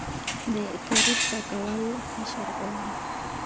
د کاریز پاکول حشر غواړي؟